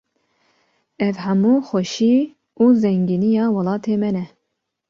Ev hemû xweşî û zengîniya welatê me ne.